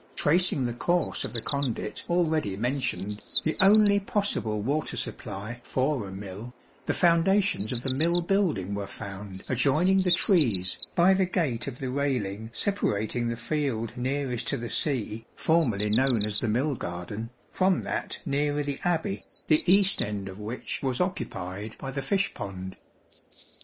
Tracing the course of the conduit already mentioned, the only possible water supply for a mill, the foundations of the mill building were found adjoining the trees, by the gate of the railing separating the field nearest to the sea, formerly known as the mill garden, from that nearer the Abbey, the east end of which was occupied by the fish pond.